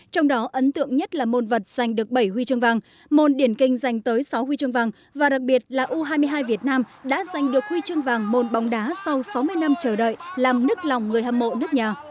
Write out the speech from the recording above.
trong đó ấn tượng nhất là môn vật giành được bảy huy chương vàng môn điển kinh giành tới sáu huy chương vàng và đặc biệt là u hai mươi hai việt nam đã giành được huy chương vàng môn bóng đá sau sáu mươi năm chờ đợi làm nức lòng người hâm mộ nước nhà